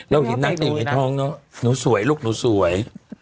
แล้วที่นักอยู่ในห้องเนาะหนูสวยลูกหนูสวย